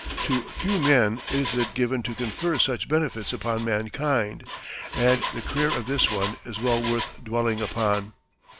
To few men is it given to confer such benefits upon mankind, and the career of this one is well worth dwelling upon.